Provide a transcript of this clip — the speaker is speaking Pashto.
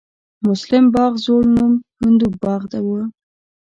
مسلم باغ زوړ نوم هندو باغ و